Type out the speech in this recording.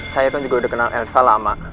saya kan juga udah kenal elsa lama